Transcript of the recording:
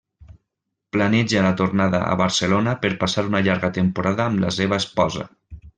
Planeja la tornada a Barcelona per passar una llarga temporada amb la seva esposa.